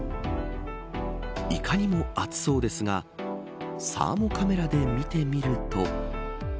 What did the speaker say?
いかにも暑そうですがサーモカメラで見てみると。